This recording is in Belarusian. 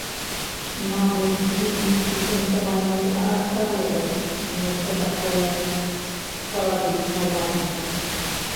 Мабыць, віленскі танцавальны асяродак нешта такое спарадычна ладзіць.